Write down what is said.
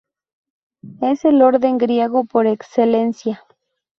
Es el orden griego por excelencia.